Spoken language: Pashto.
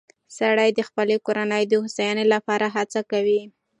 سړی د خپلې کورنۍ د هوساینې لپاره هڅه کوي